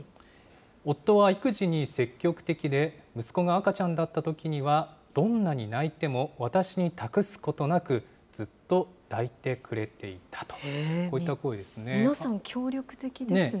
夫は育児に積極的で、息子が赤ちゃんだったときには、どんなに泣いても私に託すことなく、ずっと抱いてくれていたと。